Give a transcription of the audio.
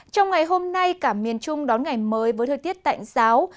trong ngày hôm nay cả miền trung đón ngày mới với thời tiết tạnh giáo